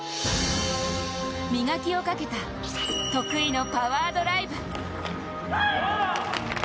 磨きをかけた得意のパワードライブ。